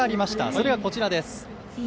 それが、こちらです。